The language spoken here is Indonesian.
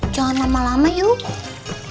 jangan lama lama yuk